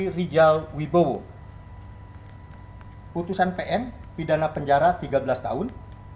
terdakwa riki rijal wibowo putusan pn pidana penjara tiga belas tahun